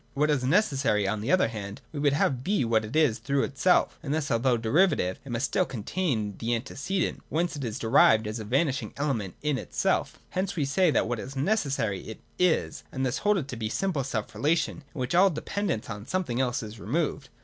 What is necessary, on the other hand, we would have be what it is through itself; and thus, although derivative, it must still contain the antecedent whence it is derived as a vanishing element in itself. Hence we say of what is necessary, ' It is.' We thus hold it to be simple self relation, in which all de pendence on something else is removed.